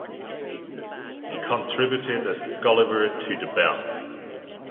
He contributed as "Gulliver" to "The Bell".